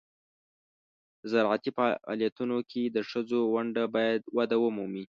د زراعتي فعالیتونو کې د ښځو ونډه باید وده ومومي.